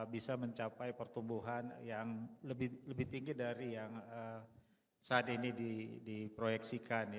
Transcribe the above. bisa mencapai pertumbuhan yang lebih tinggi dari yang saat ini diproyeksikan